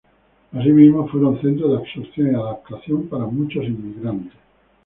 Asimismo, fueron centros de absorción y adaptación para muchos inmigrantes.